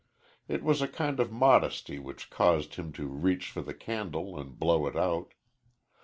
It was a kind of modesty which caused him to reach for the candle and blow it out.